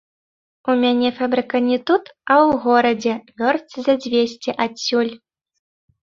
У мяне фабрыка не тут, а ў горадзе, вёрст за дзвесце адсюль.